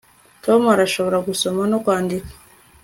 tom arashobora gusoma no kwandika